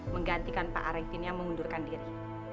menggantikan pak arifin yang mengundurkan diri